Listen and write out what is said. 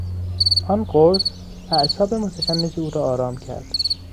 آن قرص اعصاب متشنج او را آرام کرد.